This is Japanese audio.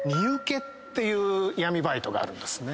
ていう闇バイトがあるんですね。